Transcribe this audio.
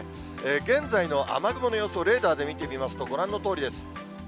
現在の雨雲の様子をレーダーで見てみますと、ご覧のとおりです。